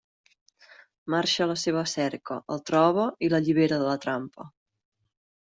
Marxa a la seva cerca, el troba i l'allibera de la trampa.